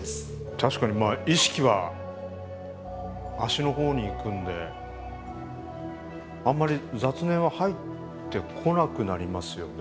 確かにまあ意識は足の方にいくんであんまり雑念は入ってこなくなりますよね。